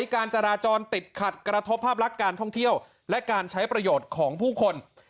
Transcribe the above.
การจราจรติดขัดกระทบภาพลักษณ์การท่องเที่ยวและการใช้ประโยชน์ของผู้คน